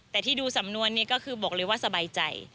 แต่ที่ดูสำนวนนี้ก็คือบอกเลยว่าสบายใจ